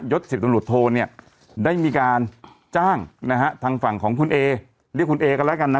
ศ๑๐ตำรวจโทเนี่ยได้มีการจ้างนะฮะทางฝั่งของคุณเอเรียกคุณเอกันแล้วกันนะ